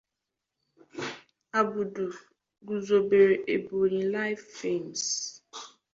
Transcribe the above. Abudu guzobere EbonyLife Films.